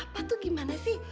papa tuh gimana sih